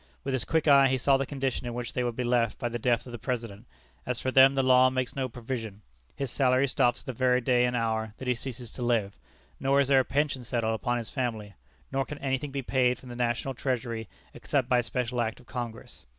With his quick eye he saw the condition in which they would be left by the death of the President, as for them the law makes no provision. His salary stops at the very day and hour that he ceases to live, nor is there a pension settled upon his family, nor can anything be paid from the national treasury except by special act of Congress.